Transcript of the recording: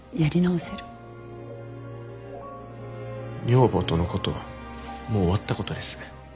女房とのことはもう終わったことです。